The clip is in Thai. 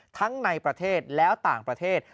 ทั้งในประเทศและต่างประเทศ